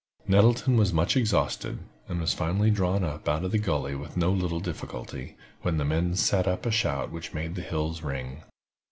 Nettleton was much exhausted, and was finally drawn up out of the gully with no little difficulty, when the men set up a shout which made the hills ring.